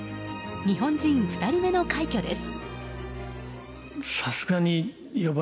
日本人２人目の快挙です。